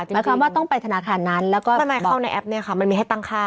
หมายความว่าต้องไปธนาคารนั้นแล้วก็ทำไมเข้าในแอปเนี่ยค่ะมันมีให้ตั้งค่า